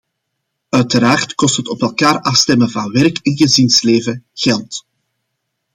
Uiteraard kost het op elkaar afstemmen van werk en gezinsleven geld.